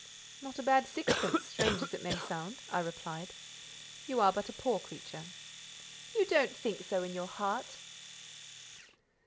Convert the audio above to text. "Not a bad sixpence—strange as it may sound," I replied. "You are but a poor creature." "You don't think so in your heart."